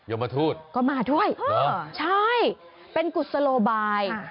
มทูตก็มาด้วยใช่เป็นกุศโลบาย